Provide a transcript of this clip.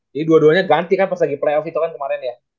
jadi dua duanya ganti kan pas lagi playoff itu kan kemarin ya